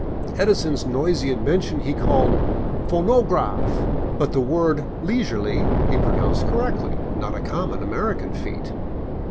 Edison's noisy invention he called " pho no graph," but the word " leisurely " he pronounced correctly, not a common American feat.